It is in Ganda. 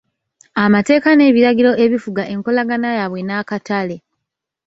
Amateeka n'ebiragiro ebifuga enkolagana yaabwe n'akatale.